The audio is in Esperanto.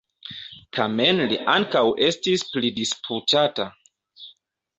Tamen li ankaŭ estis pridisputata.